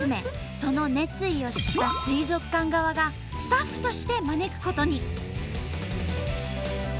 その熱意を知った水族館側がスタッフとして招くことに。